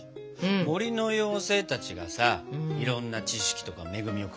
森の妖精たちがさいろんな知識とか恵みをくれるんですね。